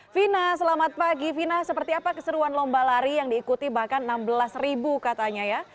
vina selamat pagi vina seperti apa keseruan lomba lari yang diikuti bahkan enam belas ribu katanya ya